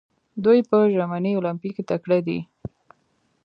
دوی په ژمني المپیک کې تکړه دي.